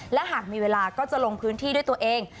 และหากมีเวลาก็จะลงพื้นที่ด้วยตัวเอง